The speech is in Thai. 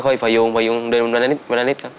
ก็ค่อยพยงเดินมานานิดครับ